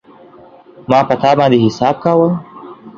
ما په تا باندی حساب کاوه